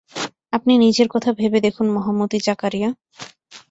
আপনি নিজের কথা ভেবে দেখুন মহামতি জাকারিয়া।